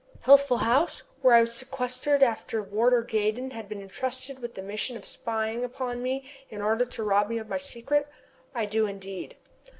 "Healthful House, where I was sequestrated after Warder Gaydon had been entrusted with the mission of spying upon me in order to rob me of my secret? I do, indeed."